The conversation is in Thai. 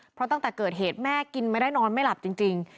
เพราะตั้งแต่เกิดเหตุแม่กินไม่ได้นอนไม่หลับจริง